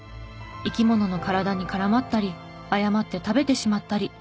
生き物の体に絡まったり誤って食べてしまったり。